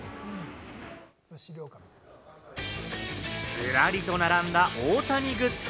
ずらりと並んだ大谷グッズ。